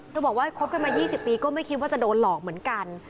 บอกว่าคบกันมา๒๐ปีก็ไม่คิดว่าจะโดนหลอกเหมือนกัน